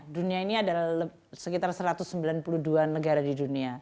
dunia ini adalah sekitar satu ratus sembilan puluh dua negara di dunia